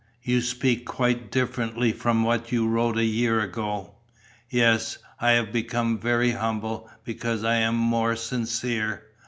You speak quite differently from what you wrote a year ago." "Yes, I have become very humble, because I am more sincere.